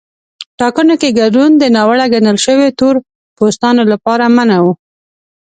ټاکنو کې ګډون د ناوړه ګڼل شویو تور پوستانو لپاره منع و.